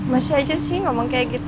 masih aja sih ngomong kayak gitu